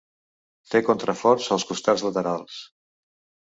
Té contraforts als costats laterals.